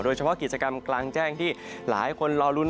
โดยเฉพาะกิจกรรมกลางแจ้งที่หลายคนรอลุ้น